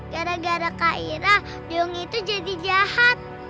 gara gara kak ira duyung itu jadi jahat